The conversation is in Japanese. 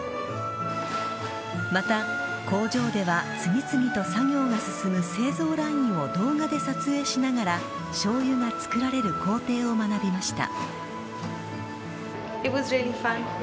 また、工場では次々と作業が進む製造ラインを動画で撮影しながらしょうゆが作られる工程を学びました。